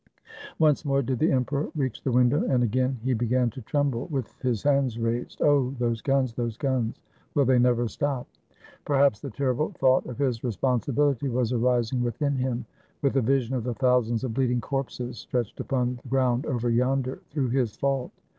Once more did the emperor reach the window, and again he began to tremble, with his hands raised. "Oh! those guns, those guns! Will they never stop?" Perhaps the terrible thought of his responsibility was arising within him, with a vision of the thousands of bleeding corpses stretched upon the ground over yonder, through his fault.